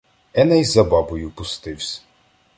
Еней за бабою пустивсь.